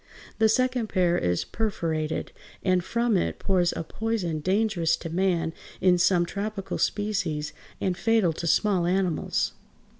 The second pair is perforated, and from it pours a poison dangerous to man in some tropical species and fatal to small animals.